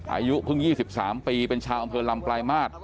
อายุเพิ่ง๒๓ปีเป็นชาวอำเภอลำปลายมาตร